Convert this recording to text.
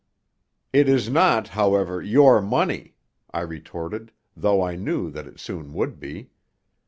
"It is not, however, your money," I retorted, though I knew that it soon would be.